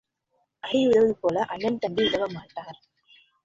அடி உதவுவது போல அண்ணன் தம்பி உதவமாட்டார்.